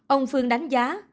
ông phương đánh giá